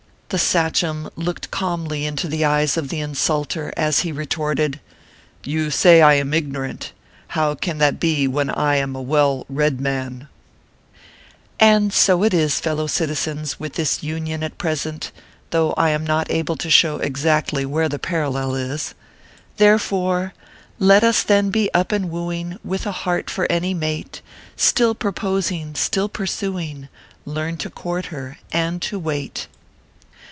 The sachein looked calmly into the eyes of the insulter, as he retorted :" You say I am ignorant. How can that be when I am a well red man ?" And so it is, fellow citizens, with this Union at present, though I am not able to show exactly where the parallel is. Therefore, " Let us then be up and wooing, "With a heart for any mate, Still proposing, still pursuing, Learn to court her, and to wait."